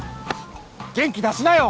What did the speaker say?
元気出しなよ！